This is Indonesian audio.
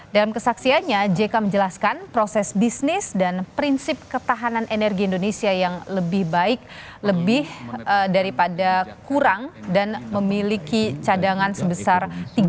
dalam kesaksiannya jk menjelaskan proses bisnis dan prinsip ketahanan energi indonesia yang lebih baik lebih daripada kurang dan memiliki cadangan sebesar tiga